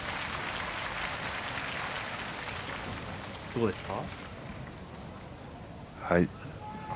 どうですか。